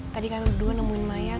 tadi kamu berdua nemuin mayat